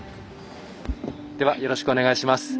では、よろしくお願いします。